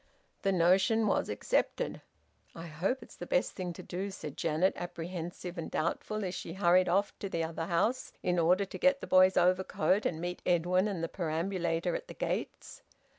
The notion was accepted. "I hope it's the best thing to do," said Janet, apprehensive and doubtful, as she hurried off to the other house in order to get the boy's overcoat and meet Edwin and the perambulator at the gates.